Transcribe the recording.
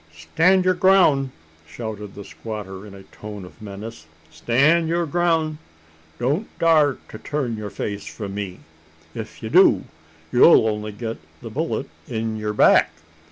"Stan' yur groun'!" shouted the squatter in a tone of menace "stan' yur groun'! Don't dar to turn yur face from me! Ef ye do, ye'll only get the bullet in yur back.